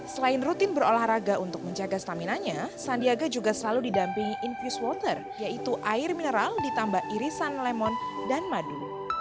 selain rutin berolahraga untuk menjaga stamina nya sandiaga juga selalu didampingi infuse water yaitu air mineral ditambah irisan lemon dan madu